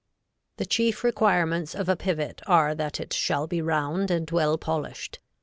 The chief requirements of a pivot are that it shall be round and well polished.